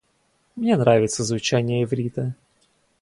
Мне нравится звучание иврита.